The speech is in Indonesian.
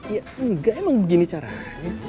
ya enggak emang begini caranya